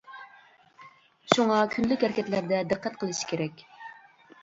شۇڭا، كۈندىلىك ھەرىكەتلەردە دىققەت قىلىش كېرەك.